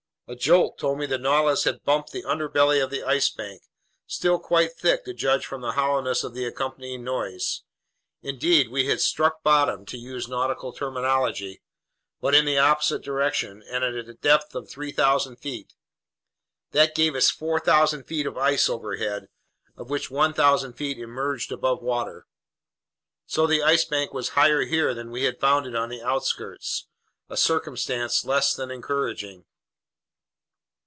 A jolt told me that the Nautilus had bumped the underbelly of the Ice Bank, still quite thick to judge from the hollowness of the accompanying noise. Indeed, we had "struck bottom," to use nautical terminology, but in the opposite direction and at a depth of 3,000 feet. That gave us 4,000 feet of ice overhead, of which 1,000 feet emerged above water. So the Ice Bank was higher here than we had found it on the outskirts. A circumstance less than encouraging.